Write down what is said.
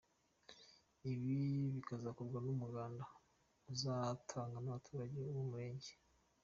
Ibi bikazakorwa n’umuganda uzatangwa n’abaturage b’uwo murenge.